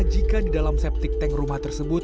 jika di dalam septic tank rumah tersebut